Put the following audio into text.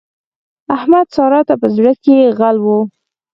احمد؛ سارا ته په زړ کې غل وو.